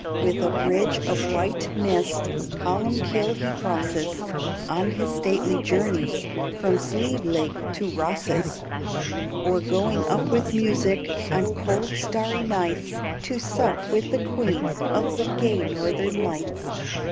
With a bridge of white mist Columbkill he crosses, On his stately journeys From Slieveleague to Rosses; Or going up with music On cold starry nights, To sup with the Queen Of the gay Northern Lights.